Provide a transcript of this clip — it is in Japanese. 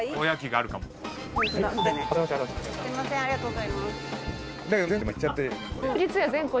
ありがとうございます。